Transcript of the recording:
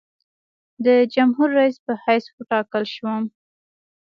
د جمهورریس په حیث وټاکل شوم.